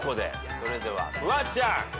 それではフワちゃん。